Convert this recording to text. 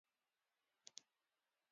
غول د کم خوځښت لامل کېږي.